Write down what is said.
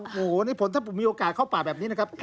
โอ้โหนี่ผลถ้าผมมีโอกาสเข้าป่าแบบนี้นะครับ